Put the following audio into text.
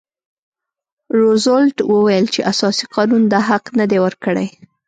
روزولټ وویل چې اساسي قانون دا حق نه دی ورکړی.